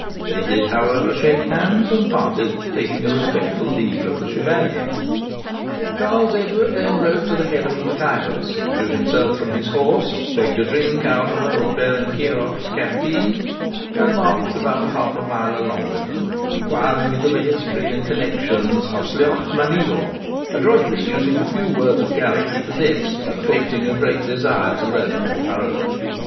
They did, however, shake hands, and parted, taking a respectful leave of the Chevalier. Charles Edward [Footnote: See Note 12.] then rode to the head of the MacIvors, threw himself from his horse, begged a drink out of old Ballenkeiroch's cantine, and marched about half a mile along with them, inquiring into the history and connexions of Sliochd nan Ivor, adroitly using the few words of Gaelic he possessed, and affecting a great desire to learn it more thoroughly.